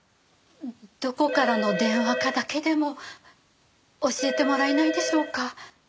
どこからの電話かだけでも教えてもらえないでしょうか？